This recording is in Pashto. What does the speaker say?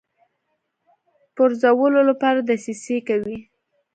پرزولو لپاره دسیسې کوي.